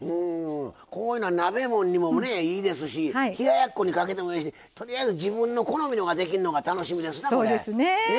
こういうのは鍋もんにもいいですし冷ややっこにかけてもいいですしとりあえず自分の好みのができるのが楽しみですな、これ。